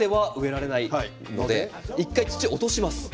１回、土を落とします。